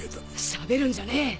しゃべるんじゃねえ！